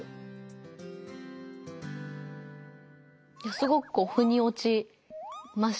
すごくふにおちましたね。